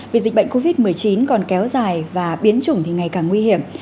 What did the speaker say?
vì dịch bệnh covid một mươi chín còn kéo dài và biến chủng ngày càng nguy hiểm